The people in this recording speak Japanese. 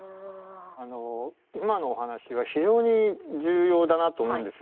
あの今のお話は非常に重要だなと思うんですよ。